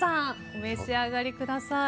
お召し上がりください。